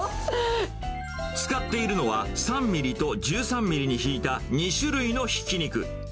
使っているのは、３ミリと１３ミリにひいた２種類のひき肉。